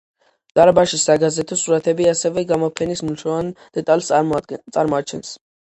დარბაზში საგაზეთო სურათები ასევე გამოფენის მნიშვნელოვან დეტალს წარმოაჩენს.